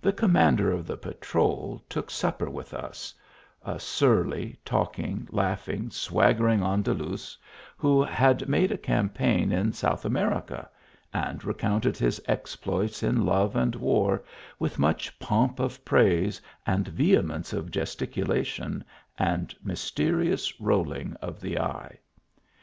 The com mander of the patrol took supper with us : a surly, talking, laughing, swaggering Andaluz, who had made a campaign in South America, and recounted his exploits in love and war with much pomp of praise and vehemence of gesticulation, and myste rious rolling of the eye.